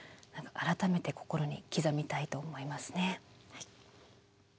改めて心に刻みたいと思いますね。